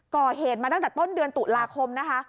ก่อเหตุมาตั้งแต่ต้นเดือนตุลาคมนะคะ